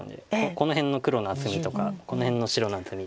この辺の黒の厚みとかこの辺の白の厚みとか。